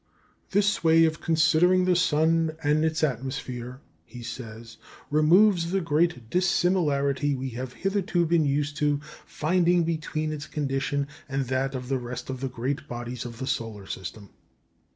"This way of considering the sun and its atmosphere," he says, "removes the great dissimilarity we have hitherto been used to find between its condition and that of the rest of the great bodies of the solar system.